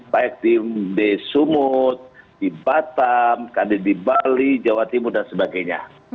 baik di sumut di batam di bali jawa timur dan sebagainya